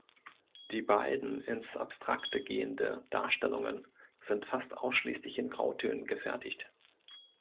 Die beiden ins Abstrakte gehende Darstellungen sind fast ausschließlich in Grautönen gefertigt.